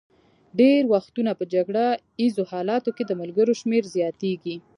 ډېری وختونه په جګړه ایزو حالاتو کې د ملګرو شمېر زیاتېږي.